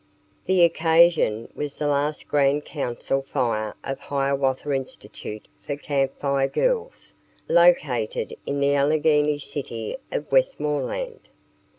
The occasion was the last Grand Council Fire of Hiawatha Institute for Camp Fire Girls located in the Allegheny city of Westmoreland.